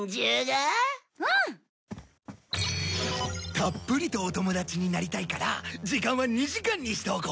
たっぷりとお友達になりたいから時間は２時間にしておこう。